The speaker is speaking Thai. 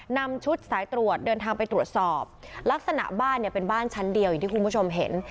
นำชุดสายตรวจเดินทางไปตรวจสอบลักษณะบ้านเนี่ยเป็นบ้านชั้นเดียวอย่างที่คุณผู้ชมเห็น